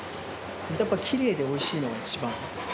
やっぱりきれいでおいしいのが一番です。